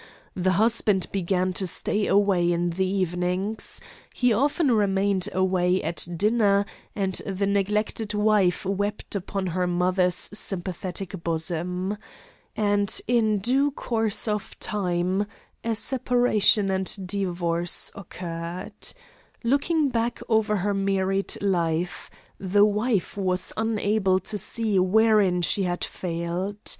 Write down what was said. The husband began to stay away in the evenings. He often remained away at dinner, and the neglected wife wept upon her mother's sympathetic bosom. And in due course of time a separation and divorce occurred. Looking back over her married life, the wife was unable to see wherein she had failed.